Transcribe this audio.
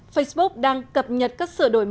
facebook đang cập nhật các sửa đổi pháp